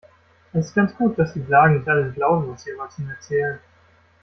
Es ist ganz gut, dass die Blagen nicht alles glauben, was die Erwachsenen erzählen.